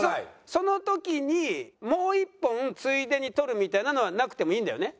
その時にもう１本ついでに撮るみたいなのはなくてもいいんだよね？